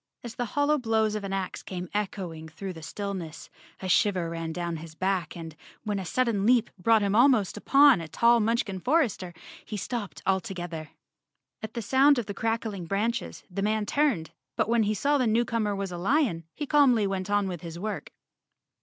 As the hollow blows of an ax came echoing through the still¬ ness, a shiver ran down his back and, when a sudden leap brought him almost upon a tall Munchkin for¬ ester, he stopped altogether. At the sound of the crackling branches, the man turned, but when he saw the new comer was a lion, he calmly went on with his work.